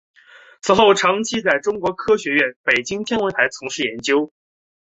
此后长期在中国科学院北京天文台从事研究。